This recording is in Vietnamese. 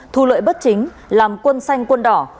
thu lợi bất chính làm quân xanh quân đỏ